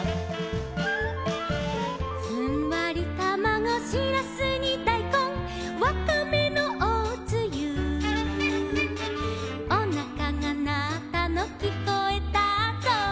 「ふんわりたまご」「しらすにだいこん」「わかめのおつゆ」「おなかがなったのきこえたぞ」